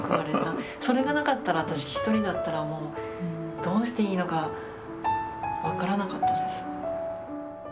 それがなかったら私一人だったらもうどうしていいのか分からなかったです。